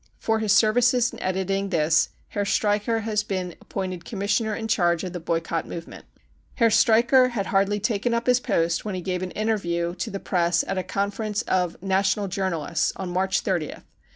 For his services in editing this Herr Streicher has been appointed commissioner in charge of the boycott move ment. Herr Streicher had hardly taken up his post when he gave an interview to the press at a conference of <£ national journalists " on March 30th.